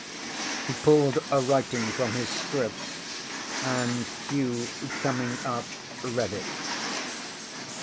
ŌĆØ ŌĆśHe pulled a writing from his scrip, and Hugh, coming up, read it.